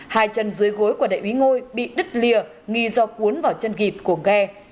hai chân dưới gối của đại úy ngôi bị đứt lìa nghi do cuốn vào chân gịt của ghe